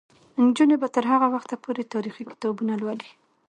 نجونې به تر هغه وخته پورې تاریخي کتابونه لولي.